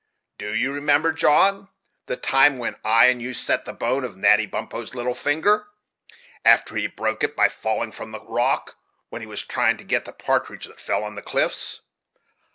Do you remember, John, the time when I and you set the bone of Natty Bumppo's little finger, after he broke it by falling from the rock, when he was trying to get the partridge that fell on the cliffs?